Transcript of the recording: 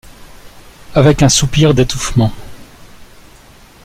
Avec un soupir d’étouffement.